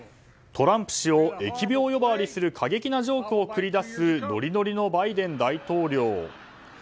トランプ氏を疫病呼ばわりする過激なジョークを繰り出すノリノリのバイデン大統領。